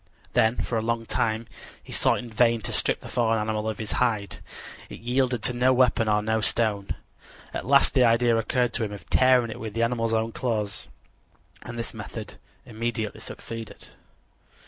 Then for a long time he sought in vain to strip the fallen animal of his hide. It yielded to no weapon or no stone. At last the idea occurred to him of tearing it with the animal's own claws, and this method immediately succeeded.